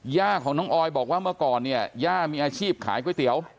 ย่าของน้องออยบอกว่าเมื่อก่อนเนี่ยย่ามีอาชีพขายก๋วยเตี๋ยว